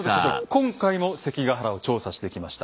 今回も関ヶ原を調査してきました。